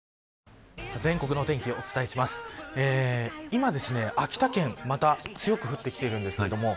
今、秋田県また強く降ってきています。